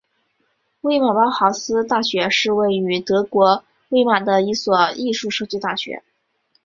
魏玛包豪斯大学是位于德国魏玛的一所艺术设计大学。